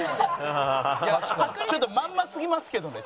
いやちょっとまんますぎますけどね。